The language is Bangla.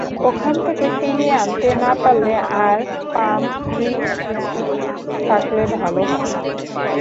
ওখান থেকে ফিরিয়ে আনতে না পারলে আর পাম ট্রি থাকলে ভালো হয়।